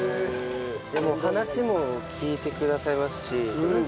でも話も聞いてくださいますし。